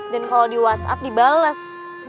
dan kalo di whatsapp dibalas